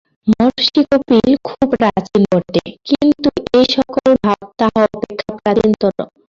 মহর্ষি কপিল খুব প্রাচীন বটে, কিন্তু এই-সকল ভাব তাঁহা অপেক্ষা প্রাচীনতর।